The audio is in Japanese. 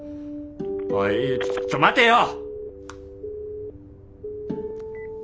おいちょ待てよ！